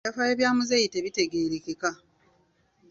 Ebyafaayo bya Muzeeyi tebitegeerekeka.